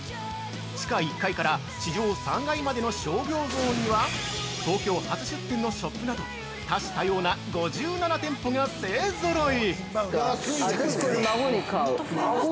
地下１階から地上３階までの商業ゾーンには東京初出店のショップなど多種多様な５７店舗が勢ぞろい。